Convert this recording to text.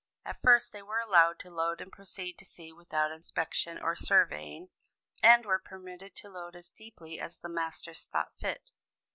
At first they were allowed to load and proceed to sea without inspection or surveying, and were permitted to load as deeply as the masters thought fit.